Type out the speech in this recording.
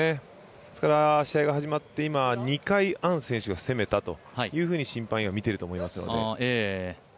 試合が始まって今、２回アン選手が攻めたと審判員は見ていると思いますので。